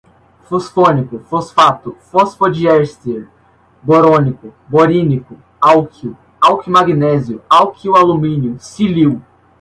fosfônico, fosfato, fosfodiéster, borônico, borínico, alquil, alquilmagnésio, alquilalumínio, silil